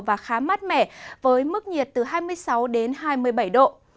và khá mát mẻ với mức nhiệt từ hai mươi sáu đến hai mươi bảy độ